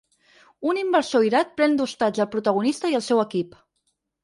Un inversor irat pren d’hostatge el protagonista i el seu equip.